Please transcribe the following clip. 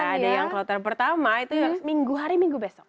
ada yang kloter pertama itu yang minggu hari minggu besok